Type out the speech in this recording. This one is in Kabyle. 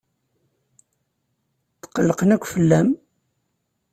Tqellqen akk fell-am.